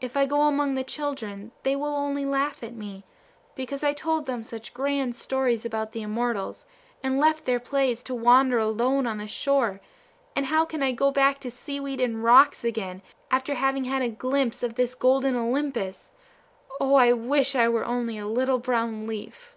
If I go among the children they will only laugh at me, because I told them such grand stories about the immortals, and left their plays to wander alone on the shore; and how can I go back to seaweed and rocks again, after having had a glimpse of this golden Olympus? O, I wish I were only a little brown leaf!"